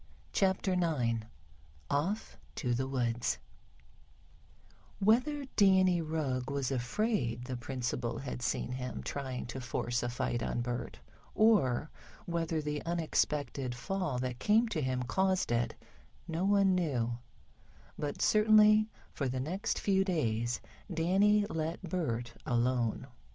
CHAPTER IX OFF TO THE WOODS WHETHER Danny Rugg was afraid the principal had seen him trying to force a fight on Bert, or whether the unexpected fall that came to him, caused it, no one knew, but certainly, for the next few days, Danny let Bert alone.